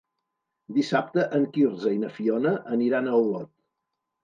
Dissabte en Quirze i na Fiona aniran a Olot.